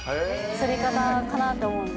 釣り方かなと思うんで。